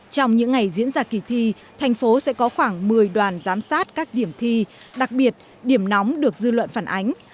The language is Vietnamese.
trong những ngày diễn ra kỳ thi thành phố sẽ có khoảng một mươi đoàn giám sát các điểm thi đặc biệt điểm nóng được dư luận phản ánh